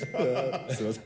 すみません。